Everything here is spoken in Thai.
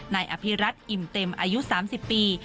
นายอภิรัตนอิ่มเต็มอายุ๓๐ปี